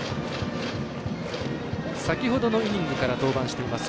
先ほどのイニングから登板しています、